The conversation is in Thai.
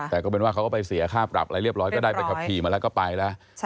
แต่ก็เป็นว่าเขาก็ไปเสียค่าปรับอะไรเรียบร้อยก็ได้ใบขับขี่มาแล้วก็ไปแล้ว